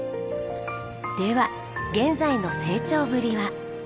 では現在の成長ぶりは？